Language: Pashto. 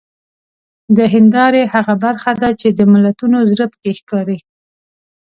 د هیندارې هغه برخه ده چې د ملتونو زړه پکې ښکاري.